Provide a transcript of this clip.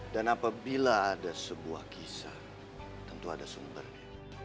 dan apabila ada sebuah kisah tentu ada sumbernya